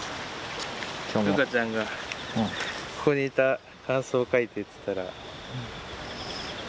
琉花ちゃんが「ここにいた感想を書いて」って言ったら。